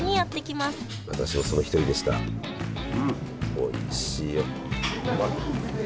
おいしいよ。